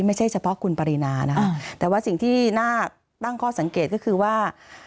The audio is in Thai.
ไม่ใช่เฉพาะคุณปรินานะคะแต่ว่าสิ่งที่น่าตั้งข้อสังเกตก็คือว่า